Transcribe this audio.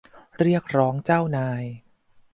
เรียกร้องเจ้านาย